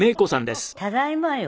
「ただいま」よ。